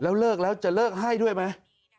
เลิกแล้วจะเลิกให้ด้วยไหม